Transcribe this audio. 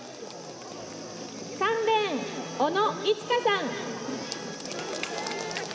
「３レーン小野いちかさん」。